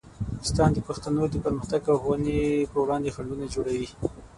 پاکستان د پښتنو د پرمختګ او ښوونې په وړاندې خنډونه جوړوي.